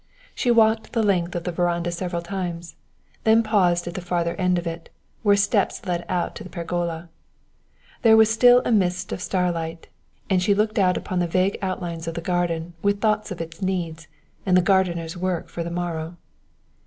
She walked the length of the veranda several times, then paused at the farther end of it, where steps led out into the pergola. There was still a mist of starlight, and she looked out upon the vague outlines of the garden with thoughts of its needs and the gardener's work for the morrow.